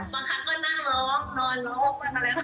บางครั้งก็นั่งร้องนอนร้องอะไร